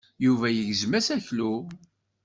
Yuba yegzem aseklu.